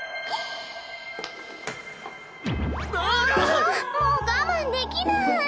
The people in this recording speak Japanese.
ああもう我慢できない！